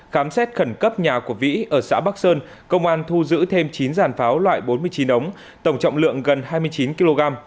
khám xét khẩn cấp nhà của vĩ ở xã bắc sơn công an thu giữ thêm chín giàn pháo loại bốn mươi chín ống tổng trọng lượng gần hai mươi chín kg